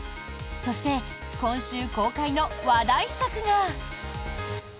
そして、今週公開の話題作が。